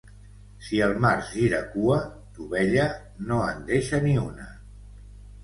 Si el març gira cua, d'ovella, no en deixa ni una.